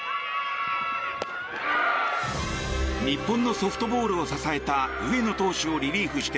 日本のソフトボールを支えた上野投手をリリーフして